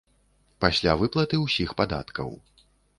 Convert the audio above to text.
Пасля выплаты ўсіх падаткаў.